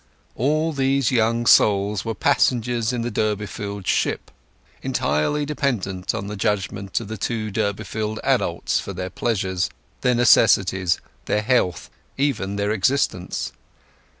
All these young souls were passengers in the Durbeyfield ship—entirely dependent on the judgement of the two Durbeyfield adults for their pleasures, their necessities, their health, even their existence.